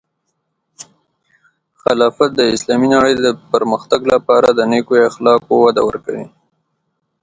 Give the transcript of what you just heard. خلافت د اسلامی نړۍ د پرمختګ لپاره د نیکو اخلاقو وده ورکوي.